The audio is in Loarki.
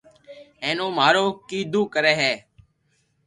ھين او مارو ڪيدو ڪري ھي